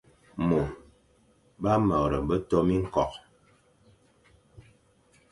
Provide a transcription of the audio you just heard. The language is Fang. Môr ba mreghe be to miñko,